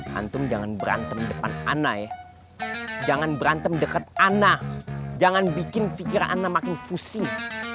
hantum jangan berantem depan aneh jangan berantem dekat anak jangan bikin fikiran makin fusing